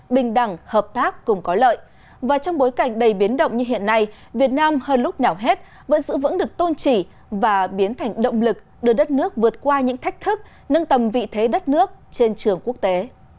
bình đẳng hợp tác cùng có lợi và trong bối cảnh đầy biến động như hiện nay việt nam hơn lúc nào hết vẫn giữ vững được tôn trị và biến thành động lực đưa đất nước vượt qua những thách thức nâng tầm vị thế đất nước trên trường quốc tế